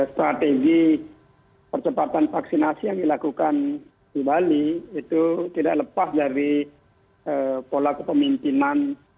strategi percepatan vaksinasi yang dilakukan di bali itu tidak lepas dari pola kepemimpinan